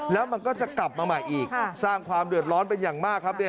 แล้วมันก็จะกลับมาใหม่อีกสร้างความเดือดร้อนเป็นอย่างมากครับ